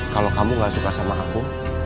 kalau kamu gak suka sama aku